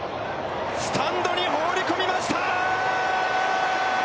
スタンドに放り込みました。